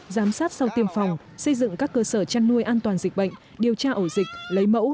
giám sát sau tiêm phòng xây dựng các cơ sở chăn nuôi an toàn dịch bệnh điều tra ổ dịch lấy mẫu